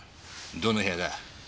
どの部屋だ？